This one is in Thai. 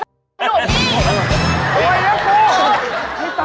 หนูอย่างนั้น